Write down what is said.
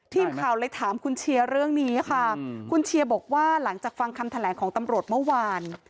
ทีมข่าวเลยถามคุณเชียร์เรื่องนี้ค่ะคุณเชียร์บอกว่าหลังจากฟังคำแถลงของตำรวจเมื่อวาน